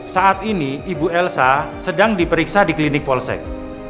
saat ini ibu elsa sedang diperiksa di klinik polsek